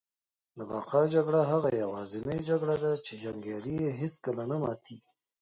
د بقا جګړه هغه یوازینۍ جګړه ده چي جنګیالي یې هیڅکله نه ماتیږي